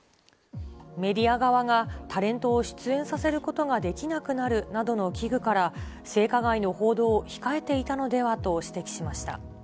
メディア側がタレントを出演させることができなくなるなどの危惧から、性加害の報道を控えていたのではと指摘しました。